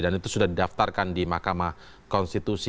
dan itu sudah didaftarkan di makamah konstitusi